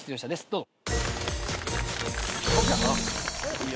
どうぞ。